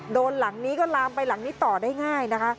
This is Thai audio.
หลังนี้ก็ลามไปหลังนี้ต่อได้ง่ายนะคะ